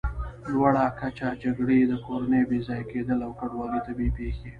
لوړه کچه، جګړې، د کورنیو بېځایه کېدل او کډوالي، طبیعي پېښې